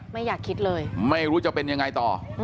ไม่อยากคิดเลยไม่รู้จะเป็นยังไงต่อ